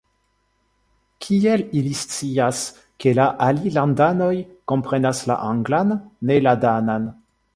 Kiel ili scias, ke la alilandanoj komprenas la anglan, ne la danan?